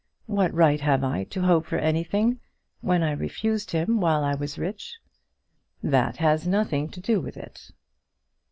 "What right have I to hope for anything when I refused him while I was rich?" "That has nothing to do with it."